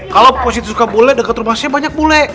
kalau positif suka bule deket rumah saya banyak bule